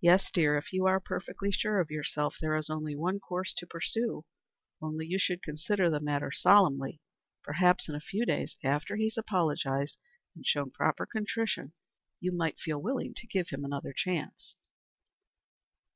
"Yes, dear, if you are perfectly sure of yourself, there is only one course to pursue. Only you should consider the matter solemnly. Perhaps in a few days, after he has apologized and shown proper contrition, you might feel willing to give him another chance."